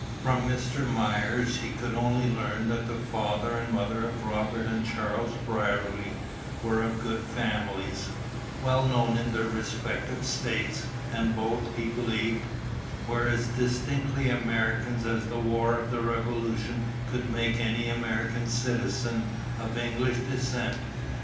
From Mr. Myers he could only learn that the father and mother of Robert and Charles Brierly were of good families, well known in their respective states, and both, he believed, "were as distinctly Americans as the war of the Revolution could make any American citizen of English descent."